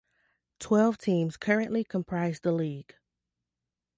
Twelve teams currently comprise the league.